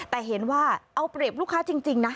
แต่เห็นว่าเอาเปรียบลูกค้าจริงนะ